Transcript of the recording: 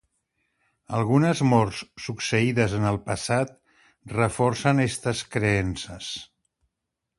Algunes morts succeïdes en el passat reforcen estes creences.